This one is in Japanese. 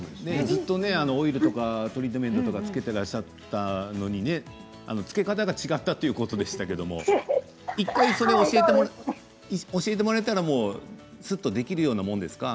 ずっとオイルとかトリートメントとかつけていらっしゃったのにつけ方が違ったということでしたけれど１回それを教えてもらえたらすっとできるようなものですか？